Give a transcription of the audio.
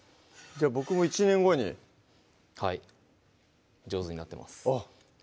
僕も１年後にはい上手になってます